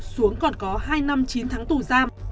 xuống còn có hai năm chín tháng tù giam